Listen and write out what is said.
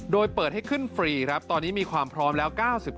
โดยเปิดให้ขึ้นฟรีครับตอนนี้มีความพร้อมแล้ว๙๙